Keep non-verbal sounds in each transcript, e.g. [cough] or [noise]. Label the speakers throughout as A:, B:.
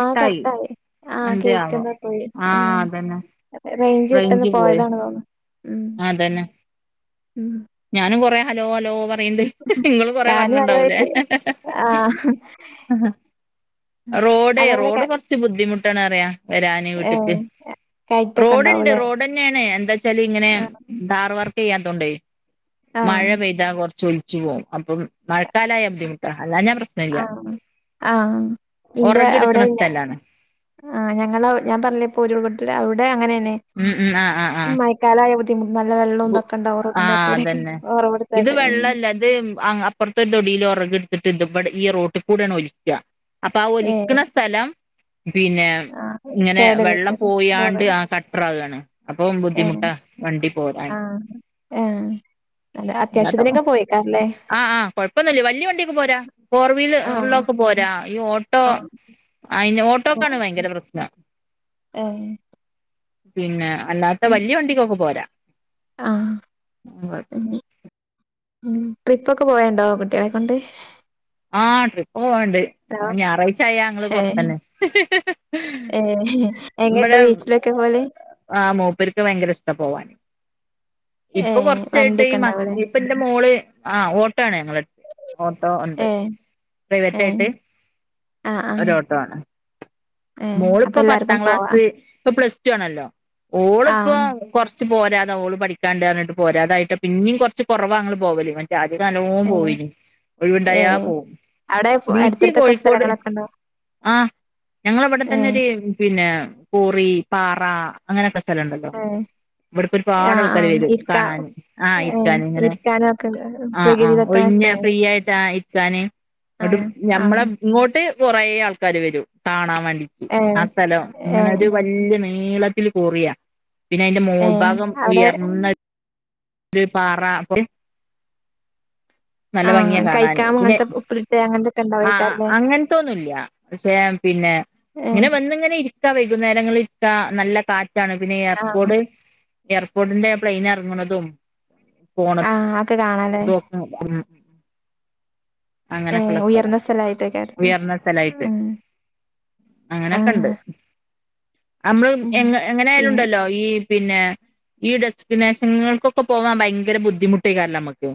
A: ആഹ്‌ കട്ടായി ആഹ്‌
B: എന്തേ ആവോ
A: കേൾക്കുന്ന പോയി
B: ആഹ്
A: മ്
B: അതന്നെ
A: റേഞ്ച് പെട്ടെന്ന് പോയതാണ് തോന്നിണ്
B: ആ തന്നെ
A: ഉം
B: ഞാനും കൊറേ ഹലോ ഹലോ പറയിണ്ട് ഇങ്ങളും കൊറെ
A: ഞാനും
B: പറഞ്ഞിണ്ടാവുംലേ
A: അതുമായിട്ട് ആഹ്
B: റോഡേയ്യ്
A: അതങ്ങനെ ക
B: റോഡ് കൊറച്ച് ബുദ്ധിമുട്ടാണറിയ വെരാനെ വീട്ടക്ക്
A: ഏഹ് കയറ്റൊക്കെ
B: റോഡിണ്ട്
A: ഉണ്ടാവൂലേ
B: റോഡെന്നാണ് എന്താച്ചാല് ഇങ്ങനെ
A: ആഹ്
B: ഡാർ വർക്കെയ്യാതോണ്ടെയ് മഴ
A: ആഹ്
B: പെയ്താ കൊർച്ച് ഒലിച്ച് പോകും അപ്പം മഴക്കാലായ ബുദ്ധിമുട്ട അല്ലാന പ്രശ്
A: ആഹ്‌ ആഹ്‌ ഇന്റെ
B: ഒറക് എടുക്കണ
A: അവിടന്നെ
B: സ്ഥലാണ്
A: ആ ഞങ്ങള അവ് ഞാൻ തള്ളിപ്പോ ഉരുളപൊട്ടല അവ്ടെ അങ്ങനന്നെ
B: ഉം ഉം ആഹ്‌ ആഹ്‌ ആഹ്‌
A: കാലായപോത്തിന് നല്ല വെള്ളം ഇതാക്കെണ്ടാവ റോഡിന്റെ ഒക്കെ
B: ആഹ്
A: കൂടിം ഒറവെടുത്തായിട്ട്
B: തേം അപ്പർത്തൊരു തൊടീൽ പറഞ്ഞടിത്തിട്ടിണ്ട് ഇബടെ ഈ റോട്ടീ കൂടാണൊലിക്കാ അപ്പാ
A: ഏഹ്
B: ഒലിക്കണ സ്ഥലം പിന്നെ
A: ആഹ്
B: ഇങ്ങനെ
A: കേടരുത്
B: വെള്ളം
A: കേട റോഡ്
B: പോയ്യാണ്ട് ആ കട്ട്രാകാണ് അപ്പൊ ബുദ്ധിമുട്ടാ വണ്ടി പോരാൻ
A: ആഹ്‌ ഏഹ് അല്ല ആ അത്യാവശ്യത്തിനൊക്കെ പോയിക്കാറല്ലേ
B: ആഹ്‌ ആഹ്‌ കൊഴപ്പൊന്നില്ല വെല്ല്യ വണ്ടിയൊക്കെ പോരാ ഫോർ വീല് ഉള്ളൊക്കെ പോരാ ഈ ഓ
A: ആഹ്‌ ആഹ്‌
B: ങ്കര പ്രശ്ന
A: ആം
B: പിന്നെ അല്ലാത്ത വെല്യ വണ്ടിക്കൊക്കെ പോരാ
A: ആഹ്‌
B: വ
A: ഉം ട്രിപ്പൊക്കെ പോയണ്ടോ കുട്ടിയാളെ കൊണ്ട്
B: ആഹ് ട്രിപ്പ്‌ പോവാണ്ട്
A: ഹലോ
B: ഞായറാഴ്ച ആയാ ഞങ്ങള്
A: ഏഹ്
B: പൊർത്തന്നെ ഇവിടെ
A: എവിടെക്കാ പോവല്
B: ആഹ്‌ മൂപ്പർക്ക് ഭയങ്കര ഇഷ്ടാ പോവാൻ ഇപ്പൊ
A: ഏഹ്
B: കൊറച്ചായിട്ട് ഈ
A: വണ്ടിയൊക്കെ
B: മ
A: ഉണ്ടാവൂലേ
B: ഇപ്പ എന്റെ മോള് ആ ഓട്ടോ ആണ് ഞങ്ങള് എടുത്ത് ഓട്ടോ ഒണ്ട്
A: ഏഹ് ഏഹ്
B: പ്രൈവറ്റായിട്ട്
A: ആഹ് ആഹ്
B: ഒരു ഓട്ടോ ആണ്
A: ഏഹ് അപ്പൊ
B: മോളിപ്പം
A: എല്ലാർക്കും
B: പത്താം
A: പോവാ
B: ക്ലാസ് ഇപ്പ പ്ലസ്റ്റു ആണല്ലോ ഓളിപ്പോ
A: ആഹ്
B: കൊർ ച്ച് പോരാത ഓള് പഠിക്കാണ്ട് പറഞ്ഞിട്ട് പോരാതായിട്ട് പിന്നീം കൊറച്ച് കൊറവാങ്ങൾ പോവല് വ ആദ്യം നല്ലോണം
A: ഏഹ്
B: പോയീനു ഒഴവിണ്ടായ
A: ഏഹ്
B: പോവും
A: അവിടെ
B: ബീച്ചി
A: അടുത്തടുത്തൊക്കെ
B: കോഴിക്കോട്
A: സ്ഥലങ്ങളൊക്കെ ഉണ്ടോ
B: ആഹ്‌ ഞങ്ങളവിടെത്തന്നെ
A: ഏഹ്
B: ഒരു പിന്നെ പൊറി പാറ അങ്ങനെക്കെ സ്ഥലുണ്ടല്ലോ
A: ഏഹ്
B: ഇവിടപ്പോ ഒരുപാട്
A: ആഹ്
B: ആൾക്കാര്
A: ആഹ്
B: വെരും
A: ഇരിക്കാ
B: കാണാന് ആഹ്‌
A: ഏഹ്
B: ഇരിക്കാനിങ്ങനെ
A: ഇരിക്കാനൊക്കെ
B: ആഹ്‌ ആഹ്‌
A: പ്രകൃതിദത്തമായ
B: ഒഴിഞ്ഞ
A: സ്ഥലങ്ങള്
B: ഫ്രീ ആയിട്ടാ ഇരിക്കാന് ഒടും
A: ആഹ്
B: ഞമ്മള
A: ആഹ്
B: ഇങ്ങോട്ട് കുറെേ ആൾക്കാര് വെരും കാണാൻ വെണ്ടി ആ
A: ഏഹ്
B: സ്ഥലം ഇങ്ങനെ
A: ഏഹ്
B: ഒരു വല്ല്യ നി നീളത്തിൽ കുറിയ പിന്നെ അയ്‌ന്റെ
A: ഏ
B: മോൾഭാഗം
A: അവിടെ
B: ഉയർന്ന് ഒരു പാറ അപ്പം നല്ല ഭംഗിയ
A: ആഹ്
B: കാണാന്
A: കഴിക്കാം
B: പിന്നെ
A: അങ്ങനത്തെ ഉപ്പിലിട്ട് അങ്ങനത്തൊക്കെ
B: ആഹ്‌ ആഹ്
A: ഉണ്ടാവേക്കാരല്ലേ
B: അങ്ങനത്തൊന്നുല്ല പക്ഷേ പിന്നെ
A: ഏ
B: ഇങ്ങനെ വന്ന് ഇങ്ങനെ ഇരി മിക്ക വൈകുന്നേരങ്ങള് ഇരിക്ക നല്ല കാറ്റാണ് പിന്നെ
A: ആഹ്
B: എയർപോഡ് ഏർപോർട്ടിന്റെ പ്ലെയിനറങണതും പോണതും
A: ക്ക കാണാല്ലേ
B: അഹ് [unintelligible] ല [unintelligible]
A: ഏ
B: അങ്ങനെക്കെള്ള സ്ഥലാ
A: ഉയർന്ന സ്ഥലായിട്ടേക്കാരല്ലേ
B: ഉയർന്ന സ്ഥലായിട്ട്,
A: ഉം
B: അങ്ങനക്കണ്ട്
A: ആഹ്
B: അമ്മള്
A: ഉം
B: എങ്
A: പിന്നെ
B: എങ്ങനായാലുണ്ടല്ലോ ഈ പിന്നെ ഈ ഡെസ്ക്കിനേഷങ്ങൾക്കൊക്കെ പോവാഭയങ്കര ബുദ്ധിമുട്ടേക്കാരല്ലോ അമ്മ ക്ക്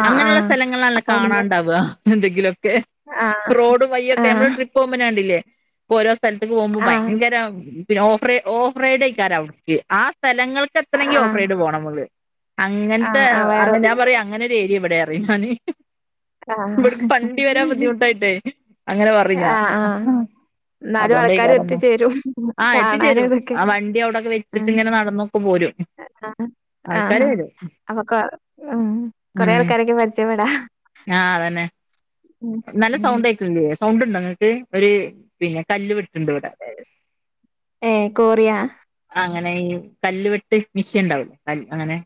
A: ആഹ്
B: അങ്ങനെള്ള
A: ആഹ്
B: സ്ഥലങ്ങൾളാണല്ലോ
A: അപ്പൊ അവിടുന്ന്
B: കാണാണ്ടാവ എന്തെങ്കിലൊക്കെ
A: ആഹ്
B: റോഡും വയ്യൊക്കെ നമ്മള്
A: ആഹ്
B: ട്രിപോകുമ്പെന്നെകണ്ടില്ലേ പ്പൊരോ സ്ഥലത്തേക്ക് പോകുമ്പോ
A: ആഹ്
B: ഭയങ്കരം പിന്നെ ഓഫ് റെ ഓഫ് റൈഡെയ്ക്കാരം അവ്ട്ക്ക് ആ സ്ഥലങ്ങൾക്കെത്തണെങ്കി ഓഫ്
A: ആഹ്
B: റൈഡ് പോണമ്മള് അങ്ങൻത്തെ
A: ആഹ് ആഹ് വയറതിരുന്നു
B: അങ്ങനൊരു ഏര്യാ ബടെന്നറിം ഞാന്
A: ആഹ്
B: ഇവട്ക്ക് വണ്ടി വരാൻ ബുദ്ധിമുട്ടായിട്ടേ അങ്ങനെ പറിം ഞാ
A: ആഹ് ആഹ്
B: അഹ്
A: എന്നാലും ആൾക്കാര്
B: അതൊണ്ടയ്ക്കാരംന്നു
A: എത്തിച്ചേരും
B: ആഹ്
A: കാണാനും
B: എത്തിച്ചേരും
A: ഇതൊക്കെ
B: ആഹ് വണ്ടി അവിടൊക്കെ വെച്ചിട്ട്
A: ഉം
B: ഇങ്ങനെ നടന്നൊക്കൊ പോരും ആൾക്കാര് വെരും
A: അവക്ക് ഉം കൊറേ ആൾക്കാരൊക്കെ പരിചയപ്പെടാ
B: ആ അതന്നെ
A: ഉം
B: നല്ല
A: ഉം
B: സൗണ്ടേക്ക്ണില്ലേ സൗണ്ട്ണ്ടോങ്ങക്ക് ഒരു പിന്നെ കല്ല് വെട്ട്ണ്ട് വടെ
A: ഏഹ് കോറിയാ
B: അ അങ്ങനെ ഈ കല്ല് വെട്ട് മിഷീണ്ടാവൂല്ലേ അങ്ങനെ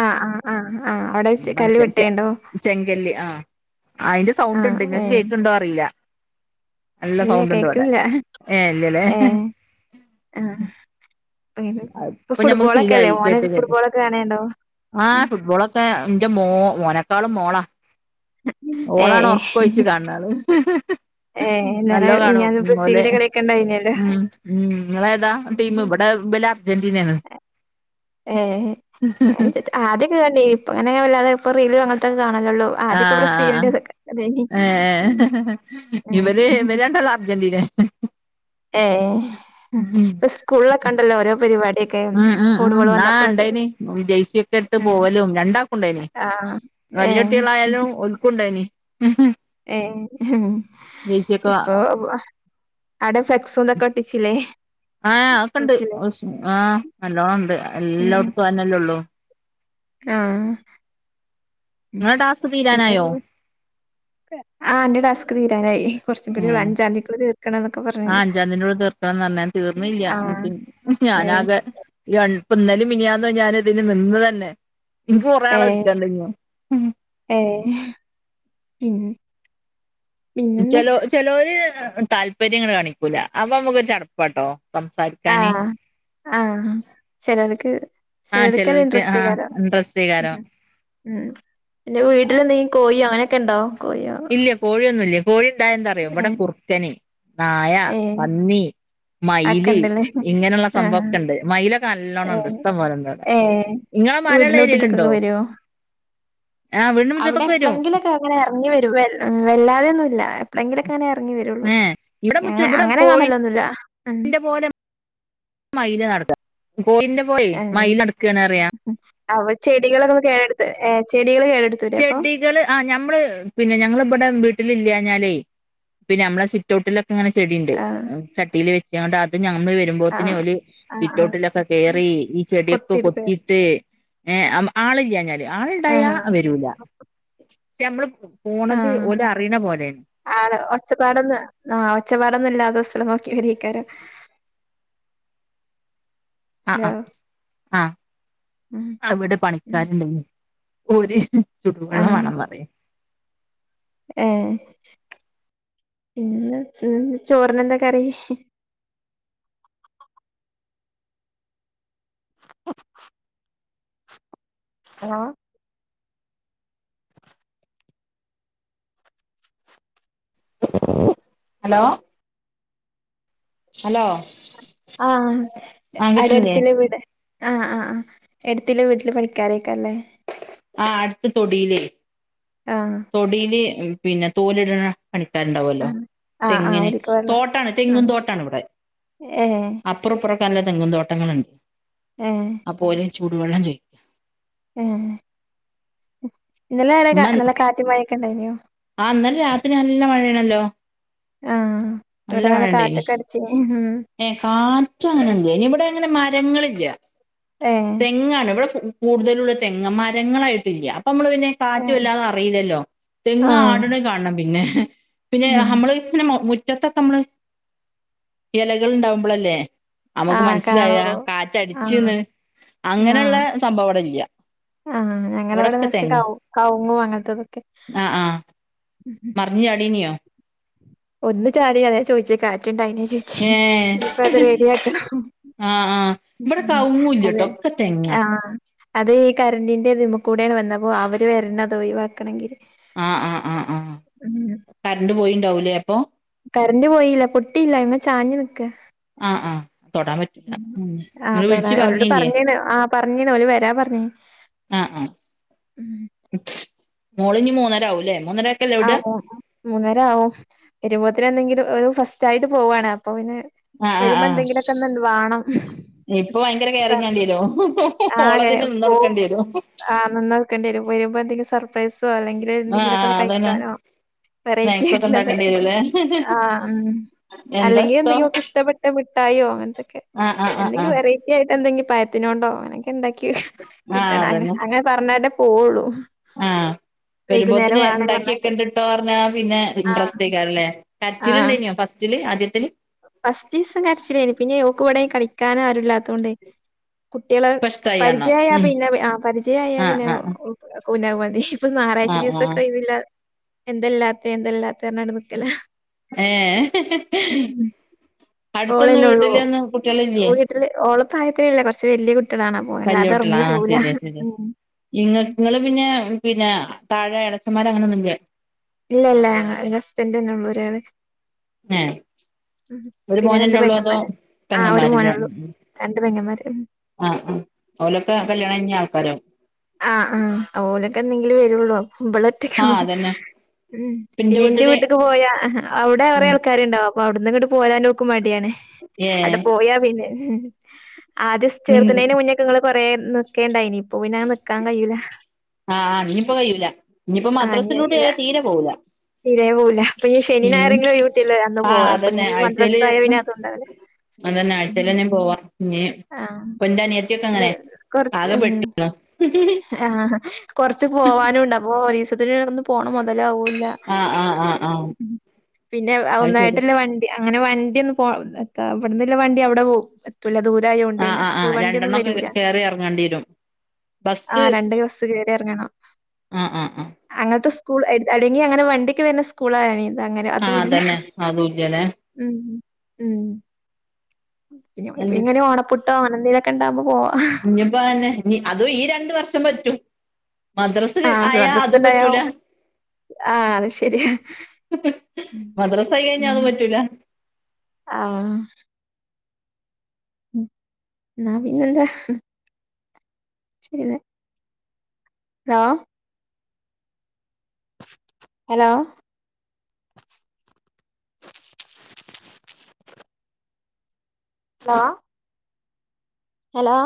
A: ആഹ് ആഹ് ആഹ് ആഹ് അവ്ടെവെച്ച് കല്ല്
B: മറ്റേ ചെ
A: വെട്ടേണ്ടോ
B: ചെങ്കല്ല് ആഹ് അയ്ന്റെ സൗണ്ട്ണ്ട്
A: ആഹ്
B: ഇങ്ങക്ക്
A: ഏഹ്
B: കേക്ണ്ടോ അറീല്ല നല്ല
A: ഇല്ല
B: സൗണ്ട്ണ്ട് വടെ
A: കേക്കില്ല
B: ഏ ഇല്ല്യല്ലേ
A: ഏഹ് ആഹ് പ്പങ്ങനെ പ്പൊ
B: ഇപ്പൊ ഞമ്മക്ക്
A: ഫുട്ബോളൊക്കെല്ലേ
B: ശീലായി
A: മോന്
B: കേട്ട് കേട്ട്
A: ഫുട്ബോളൊക്കെ കാണ് ണ്ടോ എഹ്
B: ക്കെ ന്റെ മോ മോനെക്കാളും മോളാ ഓളാണ്
A: ഏഹ്
B: ഒർക്കൊഴിച്ച് കാണ് ണാള്
A: ഏഹ് ഇന്നലെ
B: നല്ലോകാണും
A: മിനിഞ്ഞാന്ന്
B: ങ്ങോല്
A: ബ്രസീലിന്റെ കളിയൊക്കെ ഉണ്ടായിനല്ലോ
B: ഉം ഉം ങ്ങളേതാ ടീം ബടെ ബലർ ജന്റീനേണ്
A: ഏഹ് ഞാന് സ [unintelligible] ആദ്യൊക്കെ കണ്ടിനി ഇപ്പൊങ്ങനെ വല്ലതെ ഇപ്പോ റീല് അങ്ങൻത്തോക്കെ കാണലൊള്ളൂ
B: ആ
A: ആദ്യൊക്കെ
B: ആ ആ
A: ബ്രസീലിന്റെത് ക്കെ അതേയ്നി
B: ഏഹ്
A: ഉം
B: ഇവര്
A: അഹ് അഹ്
B: ഇവര് രണ്ടാളും അർജന്റീനെ
A: ഏഹ്
B: ഉം
A: പ്പസ്കൂൾളൊക്കെണ്ടല്ലോ ഓരോ പെര് വാടി
B: ഉം ഉം ഉം ആഹ് ണ്ടേയ്ന് ജെയ്സിഒക്കെട്ട്
A: ആഹ്
B: പോവലും രണ്ടാക്കുണ്ടേയ്ന്
A: ആഹ് ഏഹ്
B: വല്ല്യട്ട്യോളായാലും ഓൽക്കുണ്ടായ്നി
A: ഏഹ് ഇപ്പൊ അടെ ഫ്ലെക്സുംദൊക്കെ ഒട്ടിച്ചില്ലേ
B: ആഹ് അഒക്കണ്ട്
A: തൂക്കില്ലേ
B: ഒച്ച് ആഹ് നല്ലോംണ്ട്
A: ഉം
B: എല്ലോട്ത്തും അയെന്നെല്ലേഒള്ളു
A: ആഹ് ഉം
B: ങ്ങളെ ടാസ്ക് തീരാനായോ
A: പിന്നെ ആഹ് ന്റെ ടാസ്ക് തീരാനായി കുറച്ചും കൂടി ഉള്ളൂ
B: ഏഹ്
A: അഞ്ചാം തീയതിക്കുള്ളിൽ തീർക്കണം എന്നൊക്കെ
B: ആഹ്
A: പറഞ്ഞത്
B: അഞ്ചാംതിന്റെ ഉള്ളി തീർക്കണംന്നർഞ് തീർന്നില്ല
A: ആഹ്
B: ഇൻക്ക്ൻ
A: ഏഹ്
B: ഞാനാകെ രൺ പ്പന്നലിം മിനിയാന്നൊ ഞാനിതിന് നിന്നതന്നെ ഇൻക്ക് കൊറേ ആളെ
A: ഏഹ്
B: വിളിക്കാണ്ട്ഞ്ഞും
A: ഏഹ് പിൻ പിന്നെന്താ
B: ചെലോ ചെലോര് താല്പര്യങ്ങണ്ട് കാണിക്കൂല അപ്പൊമ്മക്കോരു ചടപ്പാട്ടോ സംസാരി
A: ആഹ് ആഹ് ചെലവർക്ക്
B: ആഹ്
A: ചെലവർക്കത്
B: ചെലോൽക്ക് ആഹ്
A: ഇൻട്രസ്റ്റേക്കാരം
B: ഇൻട്രസ്റ്റേക്കാരം
A: ഹ്മ്മ് ഹ്മ്മ് പിന്നെ വീട്ടിലന്തെങ്കിലും കോഴി അങ്ങനെക്കെണ്ടോ കോഴി
B: ഇല്ല കോഴിയൊന്നുല്ല കോഴി ഇണ്ടായാ എന്താറിയോ ഇവടെ
A: ഏഹ്
B: കുർക്കന്, നായ,
A: ഏഹ്
B: പന്നി മയില്
A: അതൊക്കെണ്ടല്ലേ
B: ഇങ്ങനള്ള
A: ആഹ്
B: സംഭവൊക്കെണ്ട് മയിലൊക്കെ നല്ലോണം ഇണ്ട്
A: ഏഹ്
B: ഇഷ്ട്ടംപോലെ ഇണ്ട് ഇവടെ
A: ഏഹ്
B: ഇങ്ങളെ മലള്ള ഏരിയേല്ണ്ടോ
A: [inaudible] അവ്ടെ
B: വരും
A: എപ്പളെങ്കിലൊക്കെ ഇങ്ങനെ എറങ്ങി വെരും വെൽ വെല്ലാതെയൊന്നുല്ല എപ്പളെങ്കിലൊക്കെ ങ്ങനെ എറങ്ങിവെരൊള്ളൂ
B: ഏഹ് ഇവിടെ മുറ്റ
A: ഞങ്ങ
B: ഇവിടെ
A: അങ്ങനെ
B: കോഴിന്റെ
A: കാണലൊന്നുല്ല ആഹ്
B: പോലെ മയില് [unintelligible] കോഴിന്റെ പോലെ മയില് നടക്കാന്നറയാ
A: ഹ്മ്മ് അവ ചെടികളൊക്കൊന്ന് കേടെട്ത്ത ഏഹ് ചെടികള് കേട്
B: ചെടികള് ആഹ് ഞമ്മള് പിന്നെ ഞങ്ങള് വടെ വീട്ടില് ല്ലാഞ്ഞാലേ പിന്നെ അമ്മളെ സിറ്റൊട്ടില് ഇങ്ങനെ ചെടിണ്ട്
A: ആഹ്
B: ചട്ടില് വെച്ച്ക്കാണ്ട് അത് ഞമ്മള് വെരുമ്പോത്തിന്
A: ആഹ്
B: ഓല്
A: ആഹ് ആഹ്
B: സിറ്റൗട്ടിലൊക്കെ കേറി ഈ ചെടിയൊക്കെ
A: കൊത്തിയെടുക്ക
B: കൊത്തിട്ട് ഏഹ് അം ആള്ല്ലാഞ്ഞാല് ആള്ണ്ടായാ
A: ആഹ്
B: യ്യൂല. പക്ഷെ അമ്മള് പോണത് ഓലറിണെ പോലേണ്.
A: ആണോ ഒച്ചപ്പാടൊന്ന് ആഹ് ഒച്ചപ്പാടൊന്നും ഇല്ലാതെ സ്ഥലംനോക്കി വെരിയേക്കാരം [inaudible]
B: ആഹ് ആഹ്, ആഹ്
A: ഉം
B: അ ഇവിടെ
A: ഉം
B: പണിക്കാര്ണ്ട്ന്ന് ഓര്
A: ആഹ്
B: ചുടുവെള്ളംമാണം പറേനി.
A: ഏഹ്, പിന്നെ ചോ ചോറിനെന്താ കറി [inaudible] ഹലോ
B: [inaudible] ഹലോ, ഹലോ
A: ആഹ് അടെട്ത്തില്ലെ വീട് ആഹ്, ആഹ്, ആഹ് എട്ത്തില്ലെ വീട്ടില് പണിക്കാരേക്കാരം ലെ
B: ആഹ് അട്ത്ത് തൊടീലേ
A: ആഹ്.
B: തൊടീല് പിന്നെ തോല്ട്ണെ പണിക്കാര്ണ്ടാവല്ലോ
A: ആഹ് ആഹ്
B: തെങ്ങിന്
A: ഓലിക്ക് വെള്ളം
B: തോട്ടാണ് തെങ്ങും
A: ആഹ്
B: തോട്ടാണ് ഇവ്ടെ.
A: ഏഹ്
B: അപ്പ പ്പ്റും ഇപ്പ്റും നല്ലെ തെങ്ങും തോട്ടങ്ങള്ണ്ട്.
A: ഏഹ്.
B: അപ്പോല് ചുടുവെള്ളം ചോയ്
A: ഏഹ്, ഇന്നലെ അടെ കാ നല്ല കാറ്റും മഴൊക്കെ ഇണ്ടായിനോ
B: ആഹ് ഇന്നലെ രാത്രി നല്ലെ മഴേണല്ലോ, നല്ല മഴണ്ടായിനി.
A: ച്ചി ഹ് ഹ്മ്മ്.
B: ഏഹ് കാറ്റങ്ങനെല്ലേനി ഇവടെ അങ്ങനെ മരങ്ങളില്ല
A: ഏഹ്
B: തെങ്ങാണ് ഇവടെ ഫു കൂടുതലുള്ളെ തെങ്ങ മരങ്ങളായിട്ടില്ല അപ്പ ഞമ്മള് പിന്നെ കാറ്റ്
A: ഏഹ്
B: വല്ലാതെ അറീല്ലല്ലോ തെങ്ങ്
A: ആഹ്
B: ആട്ണെ കാണണം പിന്നെ പിന്നെ ഹമ്മള് പിന്നെ മുറ്റത്തൊക്കെ അമ്മള് എലകള്ണ്ടാവുമ്പളല്ലേ അമ്മക്ക്
A: ആഹ്
B: മനസ്സിലായ
A: കാണുള്ളൂ ആഹ്
B: കാറ്റടിച്ച്ന്ന് അങ്ങനെള്ള
A: ആഹ്
B: സംഭവം ഇവടെല്ല.
A: ആഹ് ഞങ്ങവിടെ നെർച്ച് കൗ കവുങ്ങും അങ്ങൻത്തെ ഇതൊക്കെ
B: ആ ആ മറിഞ്ഞ് ചാടീനോ
A: ഒന്ന്ചാടി അതാ ഞാൻ ചോയ്ച്ചേ കാറ്റ്ണ്ടായ്നോ ചോയ്ച്ചേ
B: ഏ
A: ഇനിയിപ്പഅത് റെഡിയാക്കണം.
B: ആ ആ ഇവിടെ
A: ഹ്മ്മ്
B: കവുങ്ങും ഇല്ലട്ടോ
A: അതെ
B: ഒക്കെ തെങ്ങാ
A: ആഹ്. അതേ ഈ കരണ്ടിന്റെ ഇതിമ്മെ കൂടാണ് വന്ന അപ്പൊ അവര് വര്ണം അതൊഴിവാക്കണേല്
B: ആഹ്, ആഹ്, ആഹ് കരണ്ട് പോയിണ്ടാവുല്ലെ അപ്പൊ?
A: കറണ്ട്പോയില്ല പൊട്ടില്ല അയ്മെ ചാഞ്ഞ് നിക്ക.
B: ആഹ് ആഹ് തൊടാൻ പറ്റൂല ഉം
A: ആഹ്
B: നിങ്ങള്
A: തൊട
B: വിളിച്ചു
A: ഒരോട്
B: പറഞ്ഞില്ലേ
A: പറഞ്ഞീണ് ആഹ് ഓല് വര പറഞീന് ഓല് വരാ പർ ഉം
B: ആഹ്, ആഹ് മോളിഞ്ഞ് മൂന്നര ആവുലെ മൂന്നര
A: ആഹ് മൂ മൂന്നര ആവും വരുമ്പോത്തിന് എന്തെങ്കിലും ഒരു ഫസ്റ്റായിട്ട് പോവാണ് അപ്പൊ പിന്നെ
B: ആഹ് ആഹ്
A: വരുമ്പൊ
B: ആഹ്
A: എന്തെങ്കിലൊക്കൊന്ന് വാണം.
B: ഇപ്പൊ ഭയങ്കര കേറിങ്ങേണ്ടിരോ
A: ആകെ
B: ഓളതിന്
A: പോവും
B: നിന്നൊട്ക്കണ്ടിരൊ
A: ആഹ് നിന്നൊട്ക്കണ്ടിരും വരുമ്പൊ എന്തെങ്കിലും സർപ്രൈസ് വേണങ്കില്
B: ആഹ്
A: എന്തെങ്കിലൊക്ക ഒന്ന്
B: ആഹ് അതന്നെ
A: കഴിക്കാനൊ വെറൈറ്റി
B: സ്നാക്സ് ഒക്കെ
A: ആയിട്ട്ള്ള
B: ഉണ്ടാക്കേണ്ടി
A: എന്തൊക്കെ
B: വരൂല്ലേ
A: ആഹ് ഉം
B: എന്താ
A: അല്ലെങ്കി എന്തെങ്കി
B: ഇഷ്ടം
A: ഓക്ക് ഇഷ്ടപ്പെട്ട മിഠായൊ അങ്ങൻത്തെക്കെ
B: ആഹ് ആഹ് ആഹ്
A: എന്തെങ്കിലും
B: ആഹ്
A: വെറൈ കായിട്ട് എന്തെങി പയത്തിനോണ്ടൊ അങ്ങനൊക്കെ ഇണ്ടാക്കി
B: ആഹ്
A: കിട്ടണം അ
B: അതന്നെ
A: അങ്ങനെ പറഞ്ഞാലെ പോവൊള്ളു
B: ആഹ് വരുമ്പോത്തിന് ഇണ്ടാക്കി
A: പറഞ്ഞാട്ട്.
B: ണ്ടിട്ടോ പറ്ഞ്ഞാ പിന്നെ
A: ആഹ്
B: ഇൻട്രസ്റ്റേക്കാരലെ
A: ആഹ്
B: കരച്ചിലിണ്ടെയ്നു ഫസ്റ്റില് ആദ്യത്തില്
A: ഫസ്റ്റീസം കരച്ചില്ലെയ്നു പിന്നെ ഓക്ക് ഇവടെ കളിക്കാന് ആരും ഇല്ലാത്തോണ്ടെ കുട്ടീളെ
B: ഇപ്പ ഇഷ്ടായി കാണണം
A: പരിചയായ
B: ഉം
A: പിന്നെ ആഹ് പരിചയായ
B: ആഹ്
A: പിന്ന
B: ആഹ്
A: ഓ മതി ഇപ്പൊ ഞറാഴ്ച
B: ആഹ്
A: ദിവസൊക്ക
B: ആഹ്
A: ഒഴിവില്ല എന്തല്ലാത്ത എന്തല്ലാത്താ ന്നർഞാണ്ട് നിക്കല
B: ഏഹ് അടുത്തൊന്ന് വീട്ടിലൊന്നും കുട്ടികളില്ലേ
A: ഓളപ്രായത്തിലില്ല കൊറ്ച്ച് വല്യ കുട്ടിളാണ് അപ്പൊ
B: വല്യ
A: വല്ലാതെ
B: കുട്ടികളാ
A: എറ്ങ്ങി
B: ആഹ്
A: പോവൂല
B: ശരിയാ ശരിയാ
A: ഉം
B: ഇങ്ങ
A: ഉം
B: ഇങ്ങള് പിന്നേ പിന്നെ താഴെ എളച്ചമ്മാര അങ്ങനൊന്നുല്ലെ
A: ഇല്ല ഇല്ല ഞങ്ങ നസ്റ്റന്റൊള്ളു ഒരാള്
B: ഏഹ്
A: ഉം
B: ഒരു
A: പിന്നെ രണ്ട്
B: മോനെന്ന ഉള്ളു അതോ
A: പെങ്ങന്മാര് ആ ഒരു
B: പെങ്ങമാര്ലെ ഉം
A: മോനൊള്ളൂ
B: ഉം
A: രണ്ട് പെങ്ങന്മാര് ഉം
B: ആഹ് ആഹ് ഓലൊക്ക കല്യാണഴ്ഞ്ഞ ആൾക്കാരാവും
A: ആഹ് ആഹ് ഓലൊക്ക എന്നെങ്കിലും വരൊള്ളു ഇബളൊറ്റക്ക
B: ആഹ് അതന്നെ
A: ഉം പിന്നെ ഇന്റെ വീട്ട്ക്ക് പോയ അവടെ കൊറേ
B: ഉം
A: ആൾക്കാര്ണ്ടാവും അപ്പൊ അവിട്ന്ന് ഇങ്ങ്ട്ട് പോരാന് ഓക്ക് മടിയാണ്
B: ഏഹ്
A: അടെ പോയാ പിന്നെ ആദ്യസ്
B: ഉം
A: ചേർത്ത്ണേന്റെ മുന്നൊക്കെ ഇങ്ങള് കൊറേ നിക്കേണ്ടായ്ന് ഇപ്പൊ പിന്നെ നിക്കാ കയ്യൂല
B: ആഹ് ഇഞിപ്പ കയ്യൂല ഇഞിപ്പൊ
A: ഇനി കഴിയൂല
B: മദ്രസിലൂടായ തീരെ പോവൂല
A: തീരെ പോവൂല ഇപ്പൊ ഇഞി ശനി
B: ഉം
A: ഞായറെങ്കിലും ഒഴിവിട്ടിയാ അന്ന്
B: ആഹ്
A: പോവാ അപ്പൊ ഇഞി മദ്രസായ പിന്ന അത്ണ്ടാവൂല
B: അതെന്നെ ആഴ്ചീലെന്നെ പോവ ഇഞി
A: ആ
B: ഇപ്പൊ ഇന്റെ അനിയത്തിയൊക്ക
A: പിന്നെ
B: അങ്ങനെ
A: കൊറച്ച്
B: ആകെ
A: ഉം
B: പെട്ടു [inaudible]
A: ആഹ് കൊറ്ച്ച് പോവാനുണ്ട് അപ്പോ ഒരീസത്തിനൊന്നും പോണ മൊതലാവൂല്ല
B: ആഹ് ആഹ് ആഹ് ആഹ്
A: പിന്നെ
B: അത് ശരി
A: ഒന്നായ്ട്ടില്ല വണ്ടി അങ്ങനെ വണ്ടി ഒന്ന് പോ എതാ ഇവ്ടന്നില്ല വണ്ടി അവടെ പോവും ല്ല ദൂരായോണ്ടെ
B: ആഹ് ആഹ്
A: സ്കൂൾ
B: ആഹ്
A: വണ്ടിയൊന്നും
B: രണ്ടെണ്ണൊക്കെ
A: വരൂല
B: കേറി എറങ്ങണ്ടേരും
A: ആഹ് രണ്ട് ബസ്സ്‌ കേറി എറ്ങ്ങണം
B: ആഹ് ആഹ് ആഹ്
A: അങ്ങത്തെ സ്കൂൾ അല്ലെങ്കി അങ്ങന വണ്ടി ഒക്കെ വര്ണ സ്കൂള് ആവണെ
B: ആഹ് അതന്നെ അതൂല്ലലെ
A: ഉം ഉം പിന്ന
B: അന്നെ
A: ഇങ്ങനെ ഓണപ്പൂ ഓണത്തിനൊക്ക ഇണ്ടാവ്മ്പ പോവ
B: ഇഞിപ്പയന്നെ ഇനി അതും ഈ രണ്ട് വർഷം പറ്റും
A: ആഹ്
B: മദ്രാസആയാ
A: മദ്രസ
B: അതും
A: ഇണ്ടായാ
B: പറ്റൂല
A: ആഹ് അത് ശെരിയാ.
B: മദ്രസ ആയി കഴിഞ്ഞ
A: ഉം
B: അതും പറ്റൂല
A: ആഹ് ന്നാ പിന്നെന്താ ശരിയല്ലേ hello hello hello hello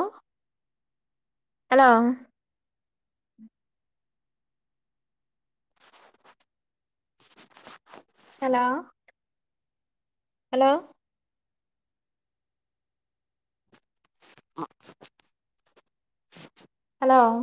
A: hello hello hello hello